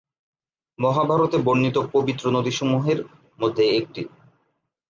মহাভারত-এ বর্ণিত পবিত্র নদীসমূহের মধ্যে একটি।